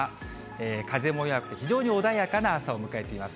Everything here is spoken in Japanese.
風も弱く、非常に穏やかな朝を迎えています。